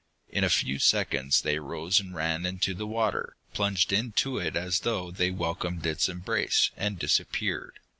In a few seconds they rose and ran into the water, plunged into it as though they welcomed its embrace, and disappeared.